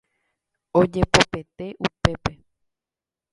Ojepopete upépe.